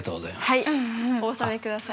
はいお納めください。